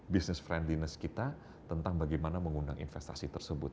business friendliness kita tentang bagaimana mengundang investasi tersebut